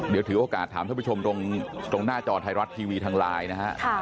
เดี๋ยวถือโอกาสถามท่านผู้ชมตรงหน้าจอไทยรัฐทีวีทางไลน์นะฮะ